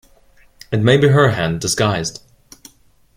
It may be her hand disguised.